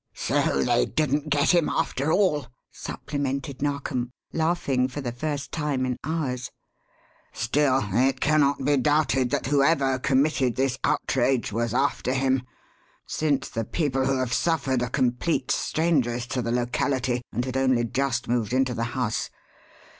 "So they didn't get him after all!" supplemented Narkom, laughing for the first time in hours. "Still, it cannot be doubted that whoever committed this outrage was after him, since the people who have suffered are complete strangers to the locality and had only just moved into the house.